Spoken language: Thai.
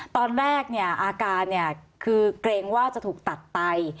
ตอนแรกเนี่ยอาการคือเกรงว่าจะถูกตัดไต